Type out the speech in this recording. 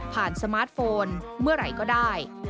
สมาร์ทโฟนเมื่อไหร่ก็ได้